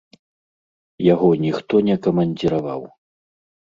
Яго ніхто не камандзіраваў.